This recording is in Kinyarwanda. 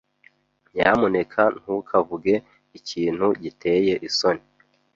Nyamuneka ntukavuge ikintu giteye isoni.